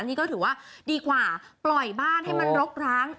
นี่ก็ถือว่าดีกว่าปล่อยบ้านให้มันรกร้าง